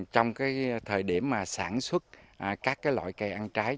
trong thời điểm sản xuất các loại cây ăn trái